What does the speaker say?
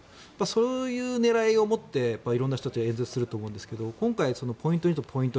そういう狙いを持って色んな人たちは演説すると思うんですが今回、ポイント２とポイント